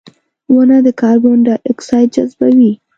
• ونه د کاربن ډای اکساید جذبوي.